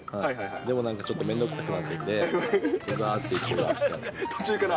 でもなんかちょっと面倒くさくなってきて、途中から。